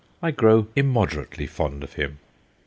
I grow immoderately fond of him.'